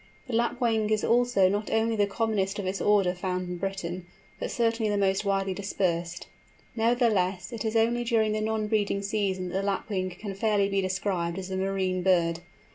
The Lapwing is also not only the commonest of its order found in Britain, but certainly the most widely dispersed. Nevertheless, it is only during the non breeding season that the Lapwing can fairly be described as a marine bird.